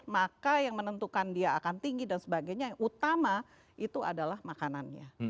maka yang menentukan dia akan tinggi dan sebagainya yang utama itu adalah makanannya